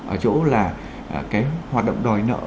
ở chỗ là cái hoạt động đòi nợ